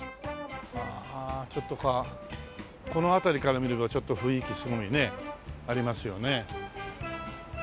ああちょっとこうこの辺りから見るとちょっと雰囲気すごいねありますよね。